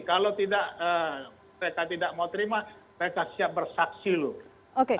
kalau tidak mereka tidak mau terima mereka siap bersaksi loh